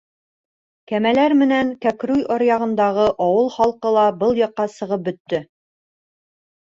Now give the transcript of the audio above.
Кәмәләр менән Кәкруй аръяғындағы ауыл халҡы ла был яҡҡа сығып бөттө.